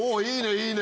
いいね！